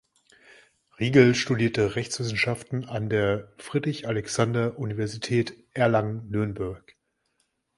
Riegel studierte Rechtswissenschaften an der Friedrich-Alexander-Universität Erlangen-Nürnberg.